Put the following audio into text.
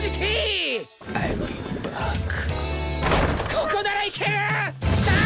ここならいけるー！